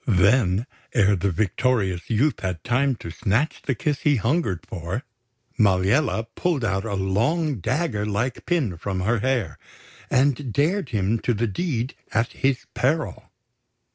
Then, ere the victorious youth had time to snatch the kiss he hungered for, Maliella pulled out a long, dagger like pin from her hair, and dared him to the deed at his peril.